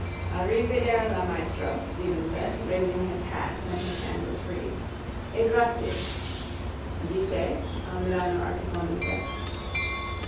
_ —Arrivederla, maestro, Stephen said, raising his hat when his hand was freed. E grazie. —Di che? Almidano Artifoni said.